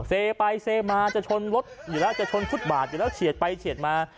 เซไปเซมาจะชนรถอยู่แล้วจะชนฟุตบาทอยู่แล้วเฉียดไปเฉียดมา